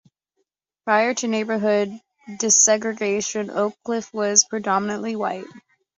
Prior to neighborhood desegregation, Oak Cliff was predominantly white.